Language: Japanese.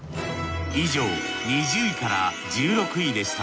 以上２０位から１６位でした。